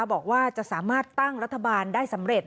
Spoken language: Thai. บอกว่าจะสามารถตั้งรัฐบาลได้สำเร็จ